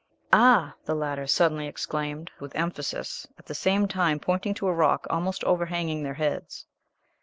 "Ah!" the latter suddenly exclaimed, with emphasis, at the same time pointing to a rock almost overhanging their heads.